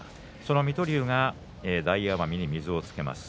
水戸龍が大奄美に水をつけます。